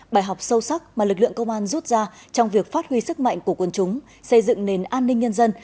bài học sâu sắc mà lực lượng công an rút ra trong việc phát huy sức mạnh của quân chúng xây dựng nền an ninh nhân dân